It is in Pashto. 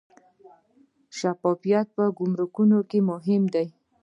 شفافیت په ګمرکونو کې مهم دی